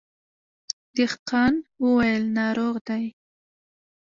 دهقان وويل ناروغ دی.